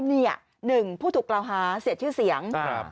นี่๑ผู้ถูกกล่าวหาเสียชื่อเสียง